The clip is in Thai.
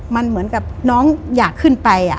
มันเหมือนกับน้องอยากขึ้นไป